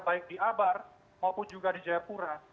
baik di abar maupun juga di jayapura